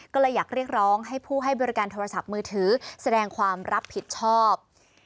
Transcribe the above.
ก็เลยอยากเรียกร้องให้ผู้ให้บริการโทรศัพท์มือถือแสดงความรับผิดชอบ